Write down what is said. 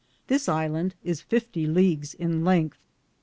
This Ilande is fiftie leages in lengthe.